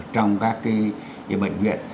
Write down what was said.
trong các cái bệnh viện